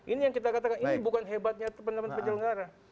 ini yang kita katakan ini bukan hebatnya pendapat penyelenggara